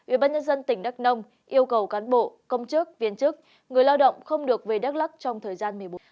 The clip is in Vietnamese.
ubnd tỉnh đắk nông yêu cầu cán bộ công chức viên chức người lao động không được về đắk lắk trong thời gian một mươi bốn ngày